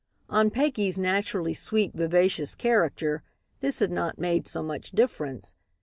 On Peggy's naturally sweet, vivacious character, this had not made so much difference.